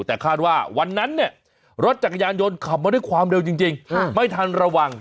แต่คาดว่าวันนั้นเนี่ยรถจักรยานยนต์ขับมาด้วยความเร็วจริงไม่ทันระวัง